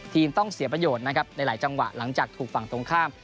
ต้องเสียประโยชน์นะครับในหลายจังหวะหลังจากถูกฝั่งตรงข้าม